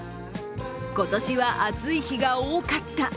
今年は暑い日が多かった。